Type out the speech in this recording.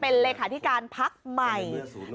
เป็นโรงแรกขาวน้ำพักใหม่